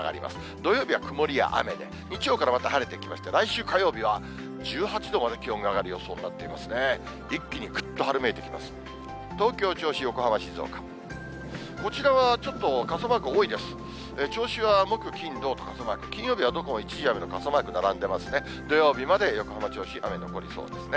土曜日は曇りや雨、日曜からまた晴れてきまして、来週火曜日は１８度まで気温が上がる予想になっていますね。